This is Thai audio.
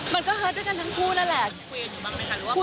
มันก็ฮัตด้วยกันทั้งคู่นั่นแหละ